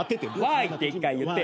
「ワイ」って１回言って。